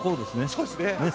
そうですね。